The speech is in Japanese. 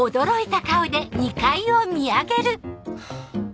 ハァ。